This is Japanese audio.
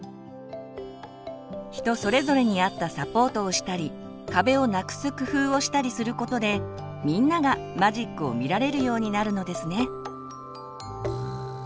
人それぞれに合ったサポートをしたり壁をなくす工夫をしたりすることでみんながマジックを見られるようになるのですね。